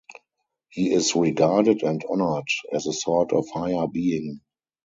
He is regarded and honored as a sort of higher being.